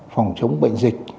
phòng chống bệnh dịch